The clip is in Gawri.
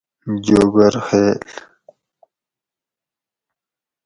جوگر خیل